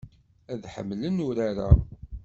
Ad ḥemmlen urar-a.